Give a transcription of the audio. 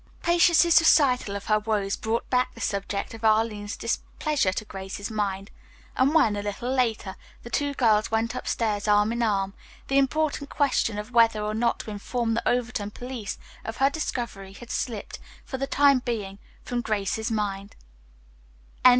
Patience's recital of her woes brought back the subject of Arline's displeasure to Grace's mind, and when, a little later, the two girls went upstairs arm in arm, the important question of whether or not to inform the Overton police of her discovery had slipped, for the time being, from Grace's mind.